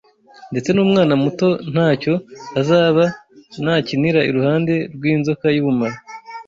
Ndetse n’umwana muto nta cyo azaba nakinira iruhande rw’inzoka y’ubumara